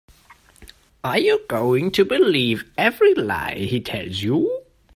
Are you going to believe every lie he tells you?